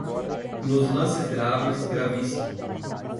Nos lances graves, gravíssimo.